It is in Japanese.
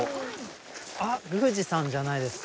あっ宮司さんじゃないですか？